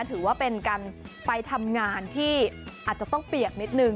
ถือว่าเป็นการไปทำงานที่อาจจะต้องเปียกนิดนึง